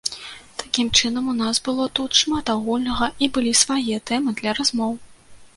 Такім чынам, у нас было тут шмат агульнага і былі свае тэмы для размоў.